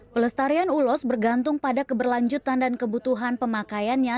pelestarian ulos bergantung pada keberlanjutan dan kebutuhan pemakaiannya